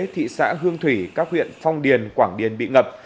thị xã hương thủy các huyện phong điền quảng điền bị ngập